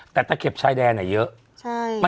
แต่ถ้าเก็บชายแดนอะเยอะใช่